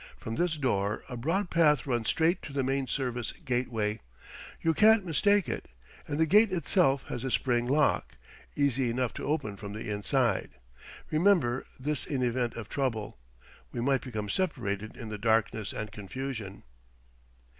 From this door a broad path runs straight to the main service gateway; you can't mistake it; and the gate itself has a spring lock, easy enough to open from the inside. Remember this in event of trouble. We might become separated in the darkness and confusion...."